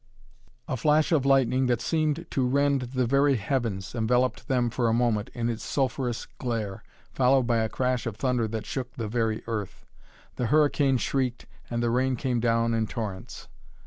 A flash of lightning that seemed to rend the very heavens enveloped them for a moment in its sulphureous glare, followed by a crash of thunder that shook the very earth. The hurricane shrieked, and the rain came down in torrents.